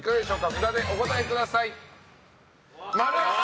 札でお答えください。